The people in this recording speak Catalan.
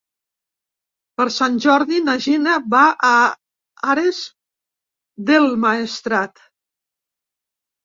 Per Sant Jordi na Gina va a Ares del Maestrat.